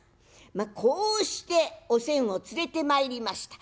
まあこうしておせんを連れてまいりました。